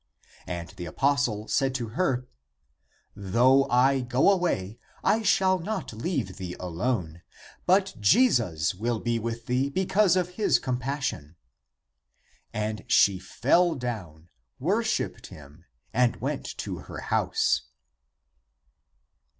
And the apostle said to her, " Though I go away, I shall not leave thee alone, but Jesus will be with thee because of his compassion." And she fell down, worshipped him, and went to her house.